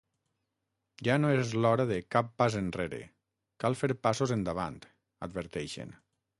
Ja no és l’hora de “cap pas enrere”, cal fer passos endavant, adverteixen.